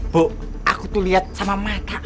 bu aku tuh lihat sama mata